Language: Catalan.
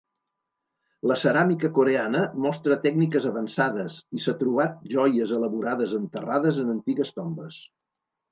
La ceràmica coreana mostra tècniques avançades i s'ha trobat joies elaborades enterrades en antigues tombes.